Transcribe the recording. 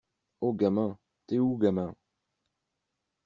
Ho gamin! T'es où gamin?!